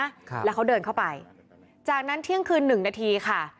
ครับแล้วเขาเดินเข้าไปจากนั้นเที่ยงคืนหนึ่งนาทีค่ะ